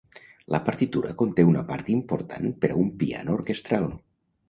La partitura conté una part important per a un piano orquestral.